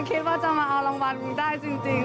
คิดว่าจะมาเอารางวัลได้จริง